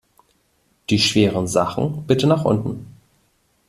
Die schweren Sachen bitte nach unten!